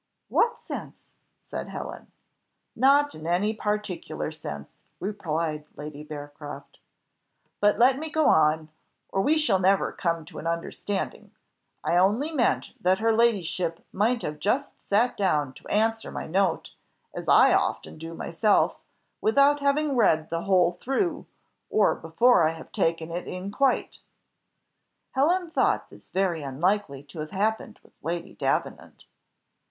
"What sense?" said Helen. "Not in any particular sense," replied Lady Bearcroft. "But let me go on, or we shall never come to an understanding; I only meant that her ladyship might have just sat down to answer my note, as I often do myself, without having read the whole through, or before I have taken it in quite." Helen thought this very unlikely to have happened with Lady Davenant.